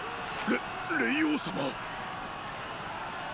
れ霊凰様。